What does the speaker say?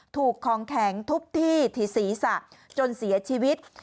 ถูกของแข็งทุบที่ที่ศีรษะจนเสียชีวิต